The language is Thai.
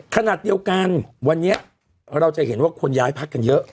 ขณะเดียวกันวันนี้เราจะเห็นว่าคนย้ายพักกันเยอะ